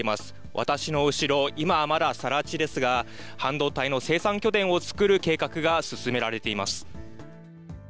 私の後ろ、今はまださら地ですが、半導体の生産拠点を作る計画が進められています。